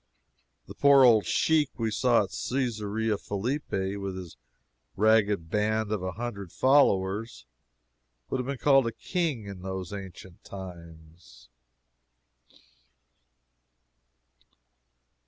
The poor old sheik we saw at Cesarea Philippi with his ragged band of a hundred followers, would have been called a "king" in those ancient times.